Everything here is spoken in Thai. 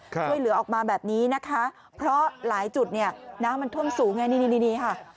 ช่วยเหลือออกมาแบบนี้นะคะเพราะหลายจุดเนี่ยน้ำมันท่วมสูงไงนี่นี่ค่ะ